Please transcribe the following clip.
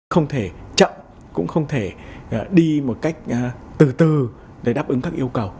không thể chậm cũng không thể đi một cách từ từ để đáp ứng các yêu cầu